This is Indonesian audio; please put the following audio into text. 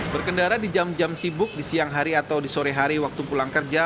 berkendara di jam jam sibuk di siang hari atau di sore hari waktu pulang kerja